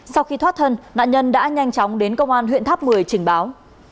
sau khi thoát thân nạn nhân đã nhanh chóng đến công an huyện tháp một mươi trình báo